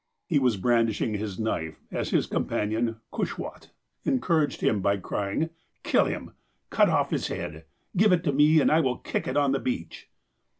He was brandishing his knife, as his companion, Cushwat, encouraged him by crying : "Kill him. Cut his head off. Give it to me, and I will kick it on the beach